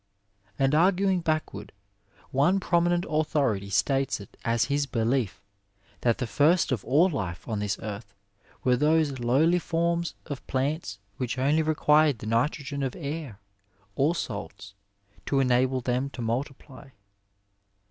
And arguing backward, one prominent authority states it as his belief that the first of all life on this earth were those lowly forms of plants which only required the nitrogen of air or salts to enable them to multiply.